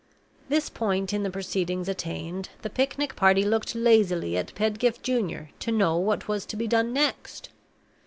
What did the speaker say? This point in the proceedings attained, the picnic party looked lazily at Pedgift Junior to know what was to be done next.